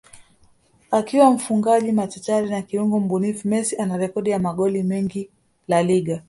akiwa mfungaji machachari na kiungo mbunifu Messi ana Rekodi ya magoli mengi La Liga